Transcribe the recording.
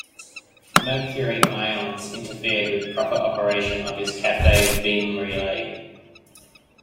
Mercury ions interfered with proper operation of his cathode-beam relay.